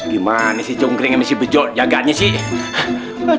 gimana sih jongkring ini si bejo jaganya sih